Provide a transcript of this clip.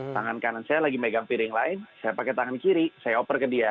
tangan kanan saya lagi megang piring lain saya pakai tangan kiri saya oper ke dia